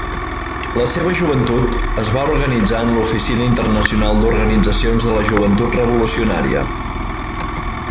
La seva joventut es va organitzar en l'Oficina Internacional d’Organitzacions de la Joventut Revolucionària.